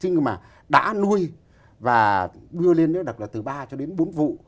thế nhưng mà đã nuôi và đưa lên đó là từ ba cho đến bốn vụ